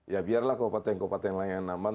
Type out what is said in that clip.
ya biarlah kapal tangi kapal tangi lain yang nambang